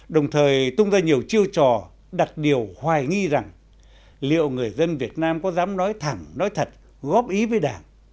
đồng thời tung ra nhiều chiêu trò đặt điều hoài nghi rằng liệu người dân việt nam có dám nói thẳng nói thật góp ý với đảng